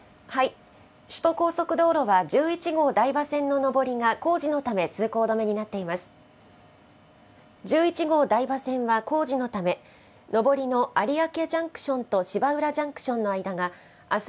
首都高速道路は１１号台場線の上りが工事のため通行止めになっています。